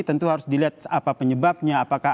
tentu harus dilihat apa penyebabnya apakah